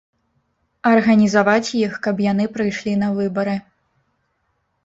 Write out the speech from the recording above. Арганізаваць іх, каб яны прыйшлі на выбары.